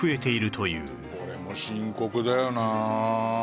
これも深刻だよな。